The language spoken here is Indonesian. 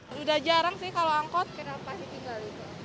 sudah jarang sih kalau angkot kenal pasif tinggal